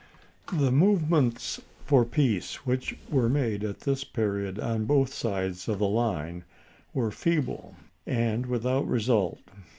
The movements for peace which were made at this period on both sides of the line were feeble and without result.